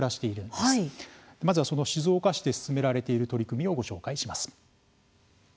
まずはその静岡市で進められている取り組みをご紹介します。